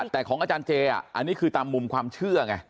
แต่ของอาจารย์เจอันนี้คือตามมุมความเชื่อไง